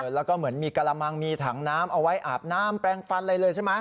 แล้วก็เหมือนมีกระมังมีถังน้ำเอาไว้อาบน้ำแปลงฟันอะไรเลยใช่ไหม